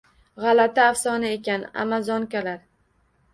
— Gʼalati afsona ekan… Аmazonkalar…